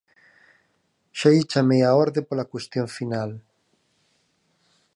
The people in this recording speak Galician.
Xa lle chamei á orde pola cuestión final.